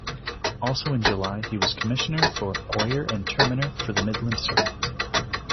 Also in July, he was commissioner for oyer and terminer for the Midland circuit.